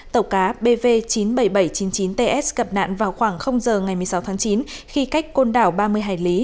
tàu cá bv chín mươi bảy nghìn bảy trăm chín mươi chín ts gặp nạn vào khoảng giờ ngày một mươi sáu tháng chín khi cách côn đảo ba mươi hải lý